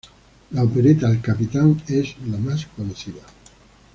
La opereta "El Capitán" es la más conocida.